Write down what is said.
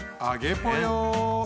あげぽよ！